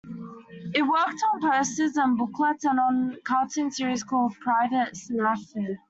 It worked on posters and booklets, and on a cartoon series called Private Snafu.